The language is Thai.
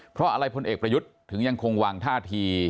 เพราะอะไรพลเอกประยุทธ์ถึงยังคงวางท่าที